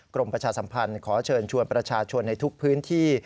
ประชาสัมพันธ์ขอเชิญชวนประชาชนในทุกพื้นที่